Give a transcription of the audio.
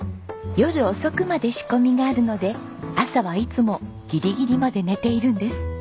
夜遅くまで仕込みがあるので朝はいつもギリギリまで寝ているんです。